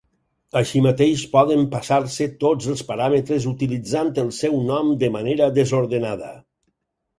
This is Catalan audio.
Així mateix, poden passar-se tots els paràmetres utilitzant el seu nom de manera desordenada.